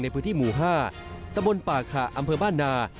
ในพื้นที่หมู่๕ตะบนป่าขาอำเภอบ้านนา